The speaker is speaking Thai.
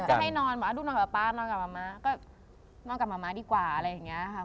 จะให้นอนหมอดูนอนกับป๊านอนกับมะม้าก็นอนกับมะม้าดีกว่าอะไรอย่างนี้ค่ะ